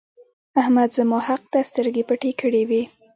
احمد زما حق ته سترګې پټې کړې وې.